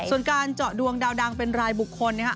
ส่วนการเจาะดวงดาวดังเป็นรายบุคคลนะครับ